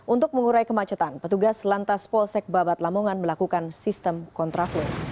untuk mengurai kemacetan petugas lantas polsek babat lamongan melakukan sistem kontraflow